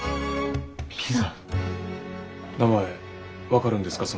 名前分かるんですか？